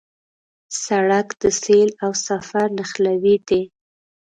سړک د سیل او سفر نښلوی دی.